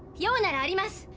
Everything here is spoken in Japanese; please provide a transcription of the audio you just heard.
用ならあります！